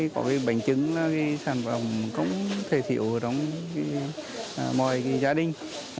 có bánh chưng là sản phẩm không thể thiểu trong mọi gia đình